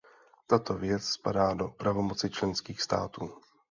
Tato věc spadá do pravomoci členských států.